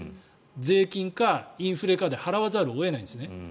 税金かインフレかで払わざるを得ないんですね。